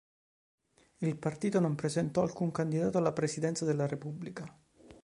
Il partito non presentò alcun candidato alla presidenza della repubblica.